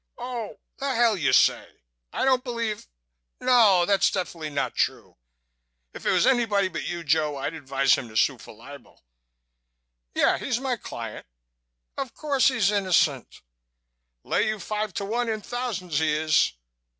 Oh ... the hell you say!... I don't believe.... No, that's definitely not true.... If it was anybody but you, Joe, I'd advise him to sue for libel.... Yeah, he's my client.... Of course he's innocent.... Lay you five to one in thousands he is....